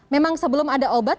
memang sebelum ada obat